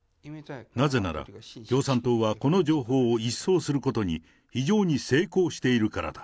なぜなら、共産党はこの情報を一掃することに非常に成功しているからだ。